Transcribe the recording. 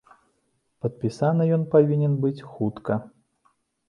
Падпісаны ён павінен быць хутка.